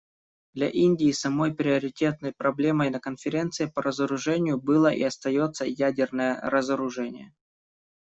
Для Индии самой приоритетной проблемой на Конференции по разоружению было и остается ядерное разоружение.